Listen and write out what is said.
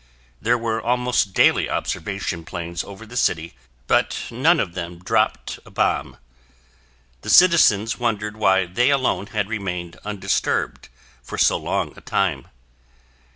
There were almost daily observation planes over the city but none of them dropped a bomb. The citizens wondered why they alone had remained undisturbed for so long a time.